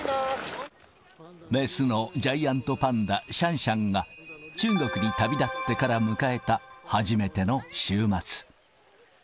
雌のジャイアントパンダ、シャンシャンが、中国に旅立ってから迎えた初めての週末。